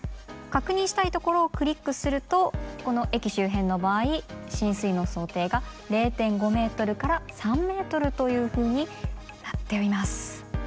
確認したいところをクリックするとこの駅周辺の場合浸水の想定が０．５ｍから３ｍというふうになっています。